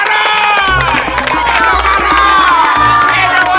hidup pak roy